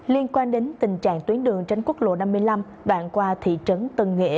liên quan đến tình trạng tuyến đường tránh quốc lộ năm mươi năm đoạn qua thị trấn tân nghĩa